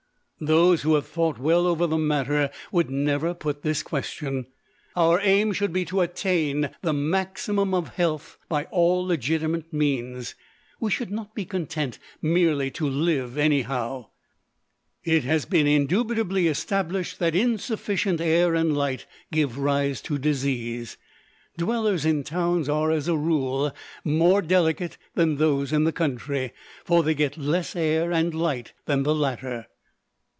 Those who have thought well over the matter would never put this question. Our aim should be to attain the maximum of health by all legitimate means; we should not be content merely to live anyhow. It has been indubitably established that insufficient air and light give rise to disease. Dwellers in towns are, as a rule, more delicate than those in the country, for they get less air and light than the latter.